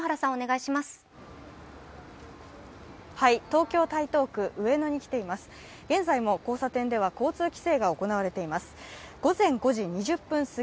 東京・台東区上野に来ています。